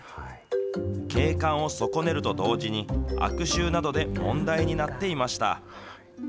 景観を損ねると同時に、悪臭などで問題になっていました。